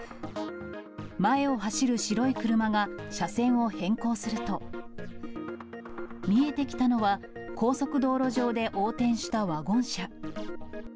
前を走る白い車が、車線を変更すると、見えてきたのは、高速道路上で横転したワゴン車。